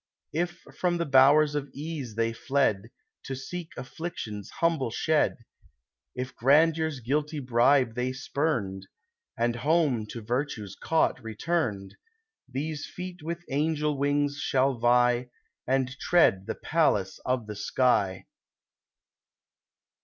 If from the bowers of Ease they fled, To seek Affliction's humble shed ; If Grandeur's guilty bribe they spurned, And home to Virtue's cot returned, — These feet with angel wings shall vie, And tread the palace of the sky